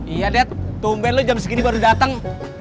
iya red tumpen lo jam segini baru dateng